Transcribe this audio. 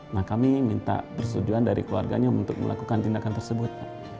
nah kami minta persetujuan dari keluarganya untuk melakukan tindakan tersebut